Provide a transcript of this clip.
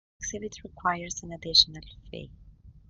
The exhibit requires an additional fee.